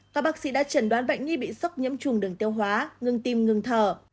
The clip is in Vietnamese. các bác sĩ đã chẩn đoán bệnh nghi bị sốc nhiễm trùng đường tiêu hóa ngừng tim ngừng thở